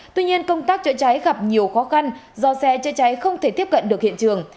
tuy nhiên công tác chữa cháy gặp nhiều khó khăn do xe chữa cháy không thể tiếp cận được hiện trường